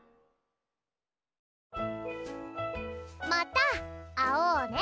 また会おうね。